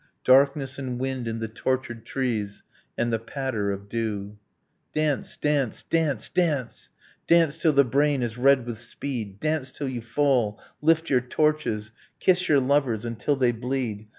Darkness, and wind in the tortured trees; And the patter of dew. Dance! Dance! Dance! Dance! Dance till the brain is red with speed! Dance till you fall! Lift your torches! Kiss your lovers until they bleed!